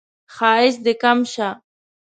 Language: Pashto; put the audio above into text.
ښایست دې کم شه